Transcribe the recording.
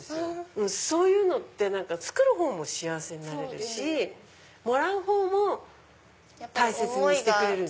そういうのって作るほうも幸せになれるしもらうほうも大切にしてくれる。